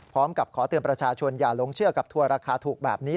พร้อมกับขอเตือนประชาชนอย่าหลงเชื่อกับทัวร์ราคาถูกแบบนี้